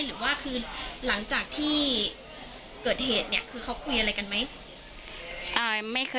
หรือว่าคือหลังจากที่เกิดเหตุเนี่ยคือเขาคุยอะไรกันไหม